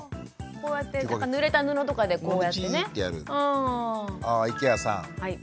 こうやってぬれた布とかでこうやってね。